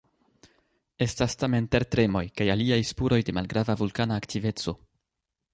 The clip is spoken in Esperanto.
Estas tamen tertremoj kaj aliaj spuroj de malgrava vulkana aktiveco.